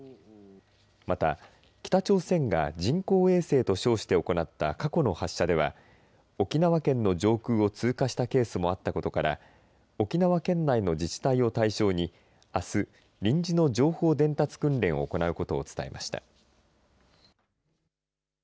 また、北朝鮮が人工衛星と称して行った過去の発射では沖縄県の上空を通過したケースもあったことから沖縄県内の自治体を対象にあす、臨時の情報伝達訓練を行うことを伝えました。